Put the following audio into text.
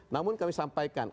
namun kami sampaikan